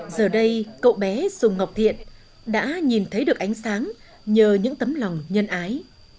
giờ đây cậu bé sùng ngọc thiện đã nhìn thấy được ánh sáng nhờ những tấm lòng nhân ái